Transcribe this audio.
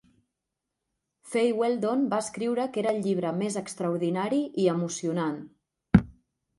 Fay Weldon va escriure que era el llibre més extraordinari i emocionant.